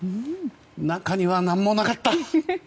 中には何もなかった！